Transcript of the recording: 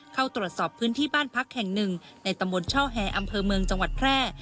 เข้าตรวจสอบพื้นที่บ้านพักแห่งหนึ่งในตำบลช่อแฮอำเภอเมืองจังหวัดแพร่